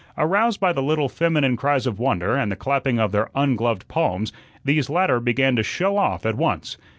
Aroused by the little feminine cries of wonder and the clapping of their ungloved palms, these latter began to show off at once.